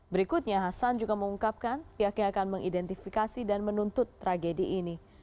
berikutnya hasan juga mengungkapkan pihaknya akan mengidentifikasi dan menuntut tragedi ini